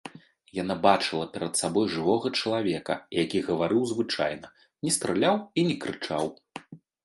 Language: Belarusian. Яна бачыла перад сабой жывога чалавека, які гаварыў звычайна, не страляў і не крычаў.